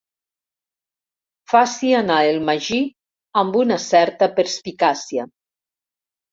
Faci anar el magí amb una certa perspicàcia.